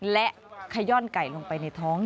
และขย่อนไก่ลงไปในท้อง